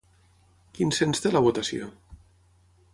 Quin cens té la votació?